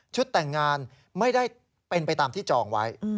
แต่งงานไม่ได้เป็นไปตามที่จองไว้